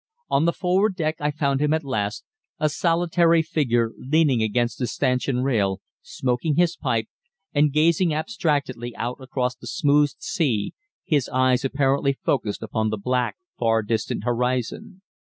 On the forward deck I found him at last, a solitary figure leaning against the stanchion rail, smoking his pipe, and gazing abstractedly out across the smooth sea, his eyes apparently focussed upon the black, far distant horizon.